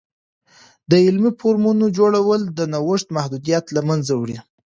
د علمي فورمونو جوړول، د نوښت محدودیت له منځه وړي.